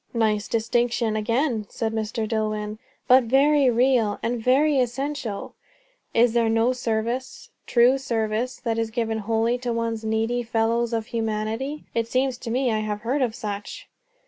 "Nice distinctions again," said Mr. Dillwyn. "But very real! And very essential." "Is there not service true service that is given wholly to one's needy fellows of humanity? It seems to me I have heard of such."